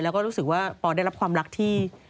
แล้วก็รู้สึกว่าปอได้รับความรักที่